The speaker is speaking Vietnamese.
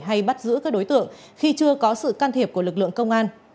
hay bắt giữ các đối tượng khi chưa có sự can thiệp của lực lượng công an